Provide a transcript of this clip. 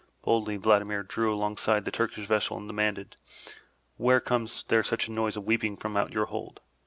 Boldly Vladimir drew alongside the Turkish vessel and demanded, *'Why comes there such noise of weeping from out your hold?'